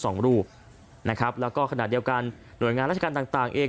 นะคะแล้วก็ขณะเดียวกันหน่วยงานราชการต่างเอง